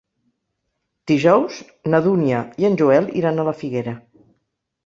Dijous na Dúnia i en Joel iran a la Figuera.